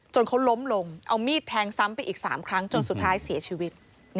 เขาล้มลงเอามีดแทงซ้ำไปอีก๓ครั้งจนสุดท้ายเสียชีวิต